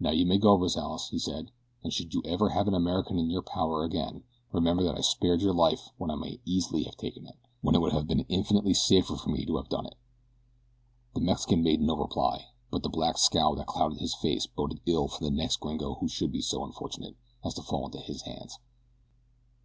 "Now you may go, Rozales," he said, "and should you ever have an American in your power again remember that I spared your life when I might easily have taken it when it would have been infinitely safer for me to have done it." The Mexican made no reply, but the black scowl that clouded his face boded ill for the next gringo who should be so unfortunate as to fall into his hands.